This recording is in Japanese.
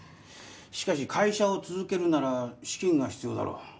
しかし会社を続けるなら資金が必要だろう